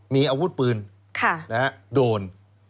มีอาวุธปืนโดน